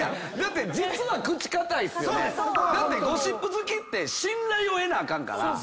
だってゴシップ好きって信頼を得なあかんから。